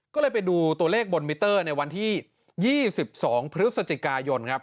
ก็เลยไปดูตัวเลขบนมิเตอร์ในวันที่๒๒พฤศจิกายนครับ